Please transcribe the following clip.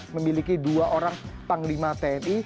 memiliki dua orang panglima tni